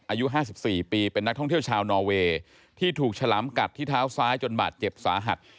อายุ๕๔ปีเป็นนักท่องเที่ยวชาวนอเวย์ที่ถูกฉลามกัดที่เท้าซ้ายจนบาดเจ็บสาหัส